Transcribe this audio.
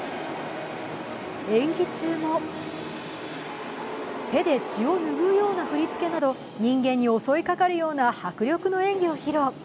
演技中も、手で血をぬぐうような振り付けなど人間に襲いかかるような迫力の演技を披露。